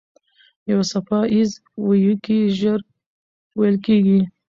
یو څپه ایز ويیکی ژر وېل کېږي.